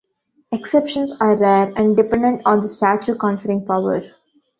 Exceptions are rare and dependent on the statute conferring power.